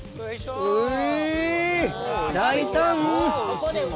うい大胆！